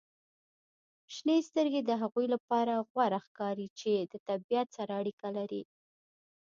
• شنې سترګې د هغوی لپاره غوره ښکاري چې د طبیعت سره اړیکه لري.